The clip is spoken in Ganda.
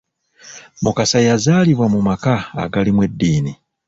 Mukasa yazaalibwa mu maka agalimu eddiini.